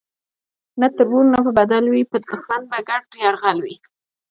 نه تربور نه به بدل وي پر دښمن به ګډ یرغل وي